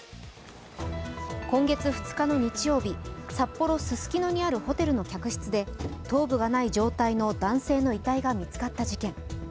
今月２日の日曜日、札幌ススキノにあるホテルの客室で頭部がない状態の男性の遺体が見つかった事件。